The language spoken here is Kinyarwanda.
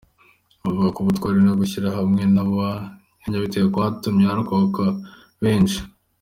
Bavuga ko ubutwari no gushyira hamwe kw’abanyabitare kwatumye harokoka benshi.